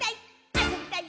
あそびたい！」